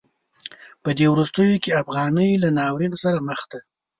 په دې وروستیو کې افغانۍ له ناورین سره مخ ده.